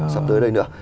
sắp tới đây nữa